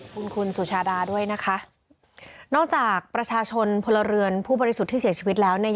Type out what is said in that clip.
คุณคุณสุชาดาด้วยนะคะนอกจากประชาชนพลเรือนผู้บริสุทธิ์ที่เสียชีวิตแล้วเนี่ย